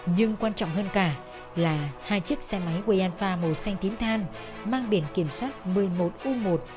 nhưng quan trọng hơn cả là hai chiếc xe máy wayanfa màu xanh tím than mang biển kiểm soát một mươi một u một năm mươi tám nghìn bảy trăm bốn mươi một